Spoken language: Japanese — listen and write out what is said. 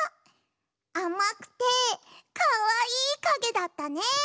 あまくてかわいいかげだったね。